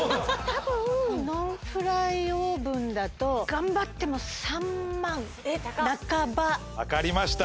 たぶんノンフライオーブンだと頑張っても３万半ばえったかっわかりました